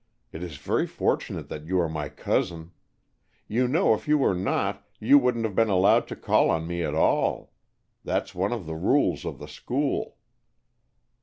It is very fortunate that you are my cousin. You know if you were not, you wouldn't have been allowed to call on me at all. That's one of the rules of the school."